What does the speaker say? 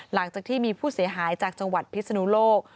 หลังจากที่มีผู้เสียหายจากจังหวัดพิศนุโลก